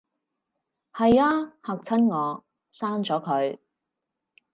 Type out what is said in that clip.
係吖，嚇親我，刪咗佢